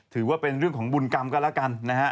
ถือว่าเป็นเรื่องของบุญกรรมก็แล้วกันนะฮะ